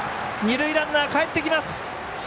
二塁ランナー、かえってきます。